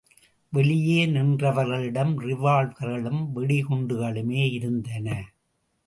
வெளியே நின்றவர்களிடம் ரிவால்வர்களும் வெடிகுண்டுகளுமே இருந்தன.